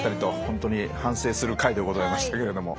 本当に反省する回でございましたけれども。